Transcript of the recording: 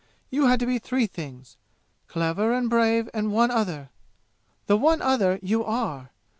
You had to be three things clever and brave and one other. The one other you are!